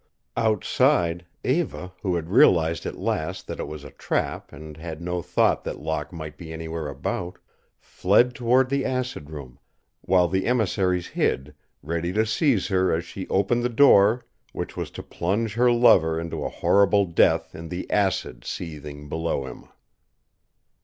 Outside, Eva, who had realized at last that it was a trap and had no thought that Locke might be anywhere about, fled toward the acid room, while the emissaries hid, ready to seize her as she opened the door which was to plunge her lover into a horrible death in the acid seething below him.